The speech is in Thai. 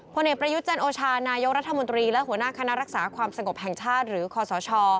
เอกประยุทธ์จันโอชานายกรัฐมนตรีและหัวหน้าคณะรักษาความสงบแห่งชาติหรือคอสช